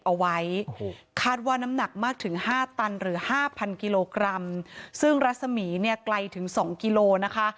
เอาไว้คาดว่าน้ำหนักมากถึงห้าตันหรือห้าพันกิโลกรัมซึ่งรัศมีร์เนี่ยไกลถึงสองกิโลนะคะ